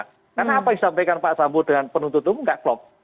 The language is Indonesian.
karena apa yang disampaikan pak sambo dengan penuntut umum tidak klop